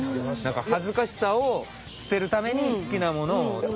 なんか恥ずかしさを捨てるために好きなものを。